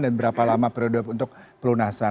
dan berapa lama periode untuk pelunasan